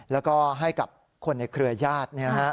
แล้วก็ให้กับคนในเครือญาติ